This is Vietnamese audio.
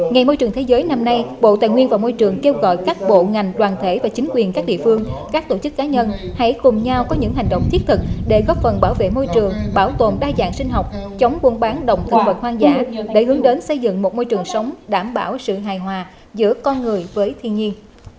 ngày môi trường thế giới năm nay bộ tài nguyên và môi trường kêu gọi các bộ ngành đoàn thể và chính quyền các địa phương các tổ chức cá nhân hãy cùng nhau có những hành động thiết thực để góp phần bảo vệ môi trường bảo tồn đa dạng sinh học chống buôn bán động thực vật hoang dã để hướng đến xây dựng một môi trường sống đảm bảo sự hài hòa giữa con người với thiên nhiên